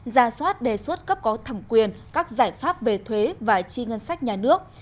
ra soát đề xuất cấp có thẩm quyền các giải pháp về thuế và chi ngân sách nhà nước